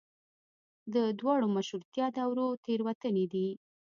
د دواړو مشروطیه دورو تېروتنې دي.